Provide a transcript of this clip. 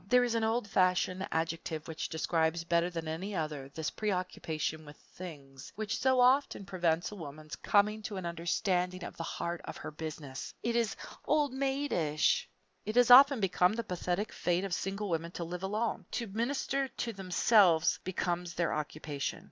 There is an old fashioned adjective which describes better than any other this preoccupation with things, which so often prevents a woman's coming to an understanding of the heart of her Business. It is old maidish. It has often been the pathetic fate of single women to live alone. To minister to themselves becomes their occupation.